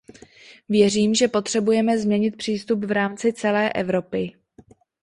Věřím, že potřebujeme změnit přístup v rámci celé Evropy.